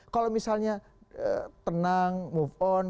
kalau misalnya tenang move on